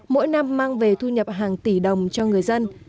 mỗi năm mang về thu nhập hàng tỷ đồng cho người dân